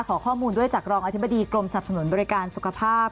ขอข้อมูลด้วยจากรองอธิบดีกรมสนับสนุนบริการสุขภาพ